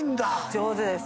上手です。